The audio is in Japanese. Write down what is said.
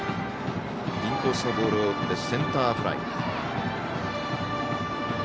インコースのボールを打ってセンターフライ。